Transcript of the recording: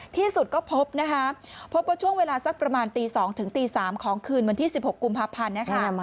ที่สุดก็พบนะคะพบว่าช่วงเวลาสักประมาณตี๒ถึงตี๓ของคืนวันที่๑๖กุมภาพันธ์นะคะ